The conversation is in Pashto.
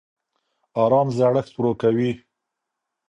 ارام زړښت ورو کوي